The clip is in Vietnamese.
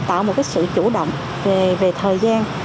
tạo một sự chủ động về thời gian